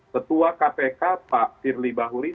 setua kpk pak firli bahuri